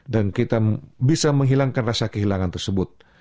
dan kita bisa menghilangkan rasa kehilangan tersebut